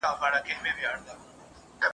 د هر زور له پاسه پورته بل قدرت سته !.